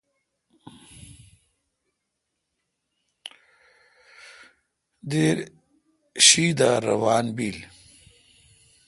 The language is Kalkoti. دِر شی دا روان بیل۔